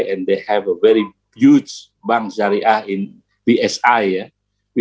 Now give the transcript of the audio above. dan mereka memiliki shariah bank yang sangat besar di psb